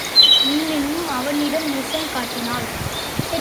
முன்னினும் அவனிடம் நேசம் காட்டி னாள்.